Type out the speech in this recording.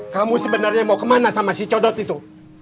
kamu sebenarnya mau kemana sama si codot itu